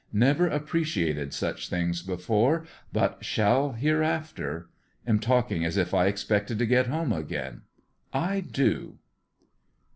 Never appreciated such things before but shall here after. Am talking as if I expected to get home again. I do.